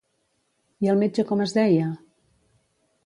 I el metge com es deia?